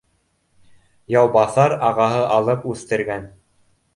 Яубаҫар ағаһы алып үҫтергән